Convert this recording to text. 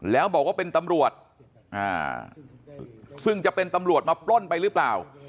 แล้วบอกว่าเป็นตำรวจซึ่งจะเป็นตำรวจมาปล้นไปหรือเปล่า